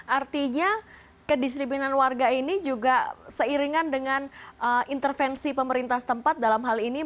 artinya kedisiplinan warga ini juga seiringan dengan intervensi pemerintah setempat dalam hal ini